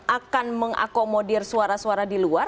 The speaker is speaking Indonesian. akan mengakomodir suara suara di luar